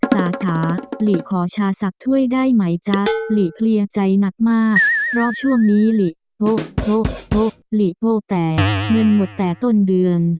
สาขาหลีขอชาศักดิ์ช่วยได้ไหมจ๊ะหลีเคลียร์ใจหนักมากเพราะช่วงนี้หลีโพะโพะโพะหลีโพะแตกเงินหมดแต่ต้นเดือน